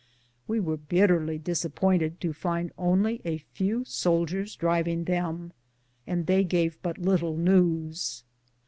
We were bitterly disappointed to find only a few soldiers driving them, and they gave but little news.